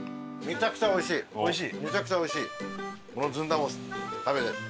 めちゃくちゃおいしい。